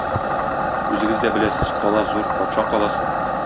Үзегез дә беләсез, кала зур, патша каласы.